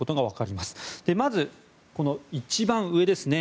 まず、一番上ですね